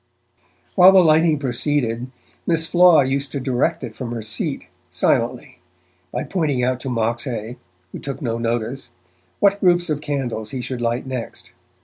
While the lighting proceeded, Miss Flaw used to direct it from her seat, silently, by pointing out to Moxhay, who took no notice, what groups of candles he should light next.